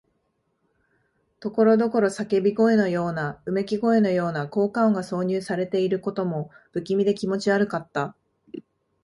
ところどころ叫び声のような、うめき声のような効果音が挿入されていることも、不気味で気持ち悪かった。